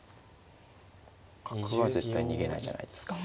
角は絶対逃げないじゃないですか。